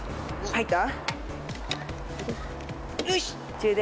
入った？